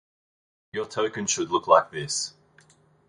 Your token should look like this